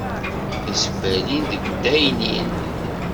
Tisebbalin deg waddaynin.